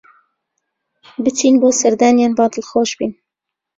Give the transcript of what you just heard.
بچین بۆ سەردانیان با دڵخۆش بین